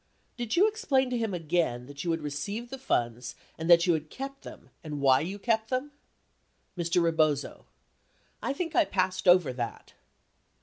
Did you explain to him again that you had received the funds and that you had kept them and why you kept them ? Mr. Rebozo. I think I passed over that.